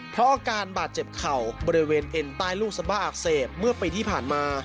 เพราะอาการบาดเจ็บเข่าบริเวณเอ็นใต้ลูกสบ้าอักเสบเมื่อปีที่ผ่านมา